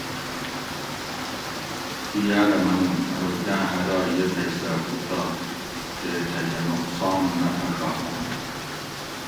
دی یاٞرہ منُو ارو کاٞں حدائ یہ تھئ سٞہ ہُو تہ تے تھکٞہ نُقصان نہ پھݭاباٞں